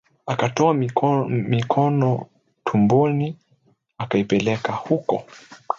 Akatoa mikono tumboni akaipeleka huko